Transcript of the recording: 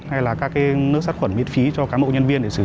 hay là các nước sát khuẩn miễn phí cho các bộ nhân viên để sử dụng